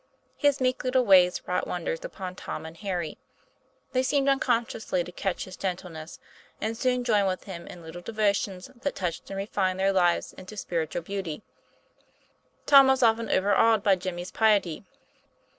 His meek little ways wrought wonders upon Tom and Harry. They seemed unconsciously to catch his gentleness, and soon joined with him in little devotions that touched and refined their lives into spiritual beauty. Tom was often overawed by Jimmy's piety.